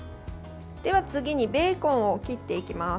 次にベーコンを切っていきます。